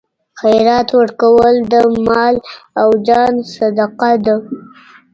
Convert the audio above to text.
خیرات ورکول د مال او ځان صدقه ده.